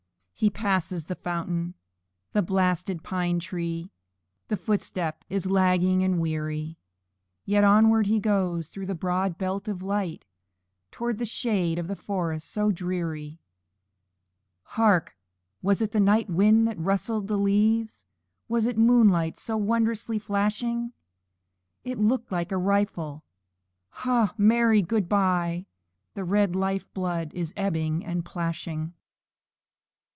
He passes the fountain, the blasted pine tree, And his footstep is lagging and weary; Yet onward he goes, through the broad belt of light, Towards the shades of the forest so dreary. Hark! was it the night wind that rustled the leaves? Was it moonlight so wondrously flashing? It looked like a rifle: "Ha! Mary, good by!" And his life blood is ebbing and splashing.